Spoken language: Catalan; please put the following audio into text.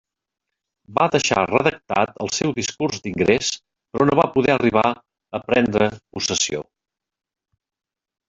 Va deixar redactat el seu discurs d'ingrés, però no va poder arribar a prendre possessió.